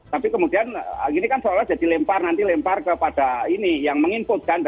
tapi kemudian ini kan seolah olah jadi lempar nanti lempar kepada ini yang meng input kan